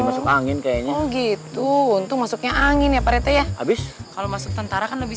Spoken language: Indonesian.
masuk angin kayaknya gitu untung masuknya angin ya pak reta ya habis kalau masuk tentara kan lebih